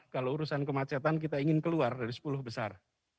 kalau urusan kemacetan kita ingin keluar dari sepuluh besar